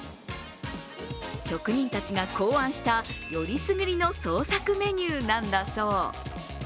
職人たちが考案したよりすぐりの創作メニューなんだそう。